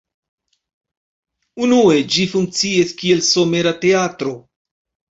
Unue ĝi funkciis kiel somera teatro.